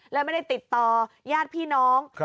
แล้วไม่ได้ติดต่อยาดพี่น้อง